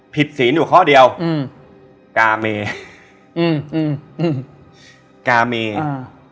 ศีลอยู่ข้อเดียวอืมกาเมอืมอืมกาเมอ่า